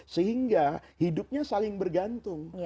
sehingga hidupnya saling bergantung